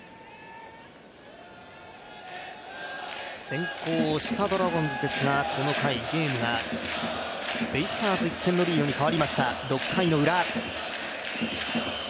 先行したドラゴンズですがこの回、ゲームがベイスターズ１点のリードに変わりました、６回ウラ。